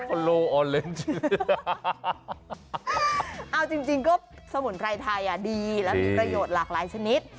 อฟเฟโรออเรนด์จริงก็สมุนไพรไทยดีและมีประโยชน์หลากหลายชนิด